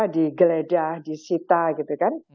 di geledah di sita gitu kan